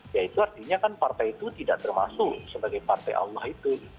ya itu artinya kan partai itu tidak termasuk sebagai partai allah itu